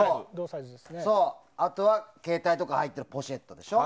あとは、携帯とかが入ってるポシェットでしょ。